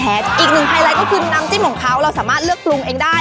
อีกหนึ่งไฮไลท์ก็คือน้ำจิ้มของเขาเราสามารถเลือกปรุงเองได้